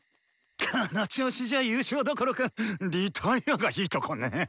この調子じゃあ優勝どころかリタイアがいいとこネ。